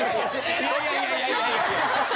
いやいやいやいや！